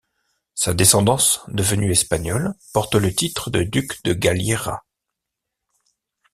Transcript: Sa descendance, devenue espagnole, porte le titre de duc de Galliera.